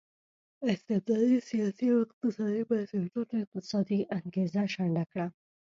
استبدادي سیاسي او اقتصادي بنسټونو اقتصادي انګېزه شنډه کړه.